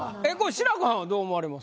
志らくはんはどう思われます？